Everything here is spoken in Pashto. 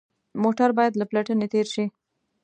موټر باید له پلټنې تېر شي.